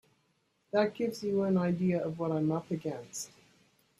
That gives you an idea of what I'm up against.